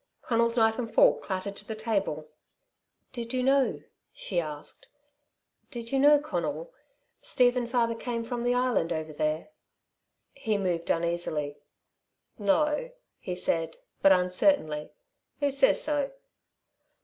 Conal's knife and fork clattered to the table. "Did you know ..." she asked, "did you know, Conal, Steve and father came from the Island over there?" He moved, uneasily. "No," he said, but uncertainly. "Who says so?"